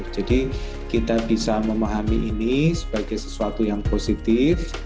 jadi kita bisa memahami ini sebagai sesuatu yang positif